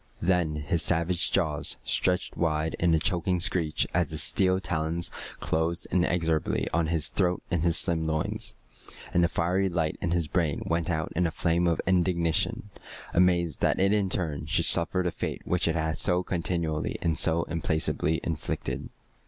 Then his savage jaws stretched wide in a choking screech as the steel talons closed inexorably on his throat and his slim loins, and the fiery light in his brain went out in a flame of indignation, amazed that it in turn should suffer the fate which it had so continually and so implacably inflicted.